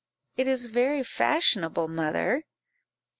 "It is very fashionable, mother."